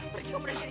pergi kamu dari sini